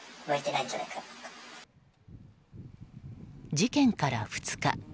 事件から２日。